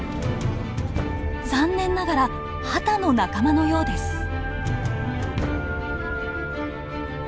残念ながらハタの仲間のようです。